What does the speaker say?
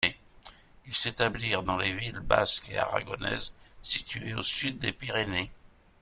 Ils s’établirent dans les villes basques et aragonaises situées au sud des Pyrénées.